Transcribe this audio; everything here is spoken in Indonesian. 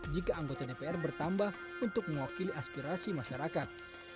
jika anggota dpr bertambah untuk mewakili aspirasi masyarakat